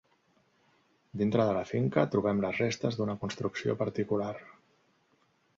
Dintre de la finca, trobem les restes d'una construcció particular.